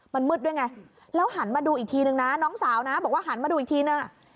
มันมืดด้วยไงแล้วหันมาดูอีกทีนึงนะน้องสาวนะบอกว่าหันมาดูอีกทีนึง